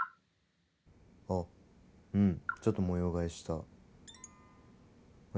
あっうんちょっと模様替えしたあっ